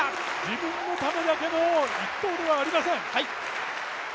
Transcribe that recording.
自分のためだけの１投ではありません。